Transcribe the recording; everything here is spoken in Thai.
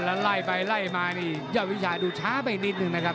แล้วไล่ไปไล่มานี่ยอดวิชาดูช้าไปนิดนึงนะครับ